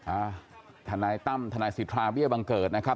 อ่าทนายตั้มทนายสิทธาเบี้ยบังเกิดนะครับ